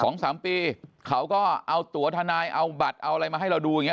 สองสามปีเขาก็เอาตัวทนายเอาบัตรเอาอะไรมาให้เราดูอย่างเ